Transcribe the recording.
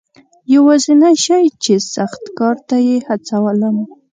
یوازنی شی چې سخت کار ته یې هڅولم.